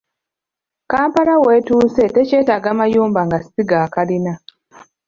Kampala w’etuuse tekyetaaga mayumba nga si ga kalina.